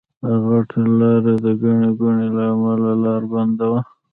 د غټو لاريو د ګڼې ګوڼې له امله لار بنده وه.